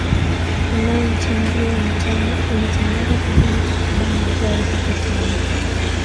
imae nchi hiyo imetangaza kuvunja takriban wizara zake tano